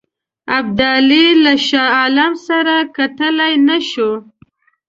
ابدالي له شاه عالم سره کتلای نه شو.